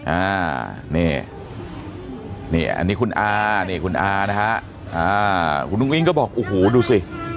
อ่านี่อันนี้คุณอาคุณอานะฮะนุ้งอิงก็บอกโอ้โหดูสิ